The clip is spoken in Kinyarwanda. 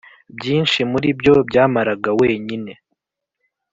byinshi muri byo byamaraga wenyine.